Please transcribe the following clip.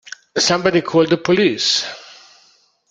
Somebody call the police!